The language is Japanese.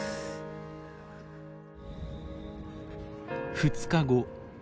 ２日後。